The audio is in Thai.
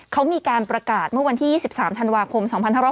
เขามีการประกาศเมื่อวันที่๒๓ธันวาคม๒๕๖๐